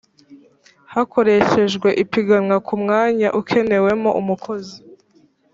hakoreshejwe ipiganwa ku mwanya ukenewemo umukozi